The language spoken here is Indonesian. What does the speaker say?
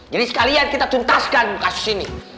jadi sekalian kita tuntaskan kasus ini